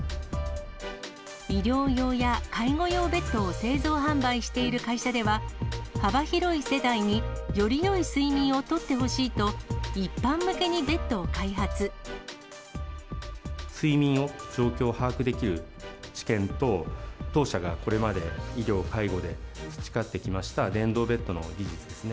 医療用や介護用ベッドを製造・販売している会社では、幅広い世代によりよい睡眠をとってほしいと、睡眠を、状況を把握できる治験と、当社がこれまで医療・介護で培ってきました電動ベッドの技術ですね。